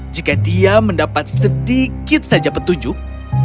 jika dia mendapat sedikit saja petunjuk